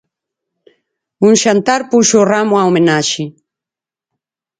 Un xantar puxo o ramo á homenaxe.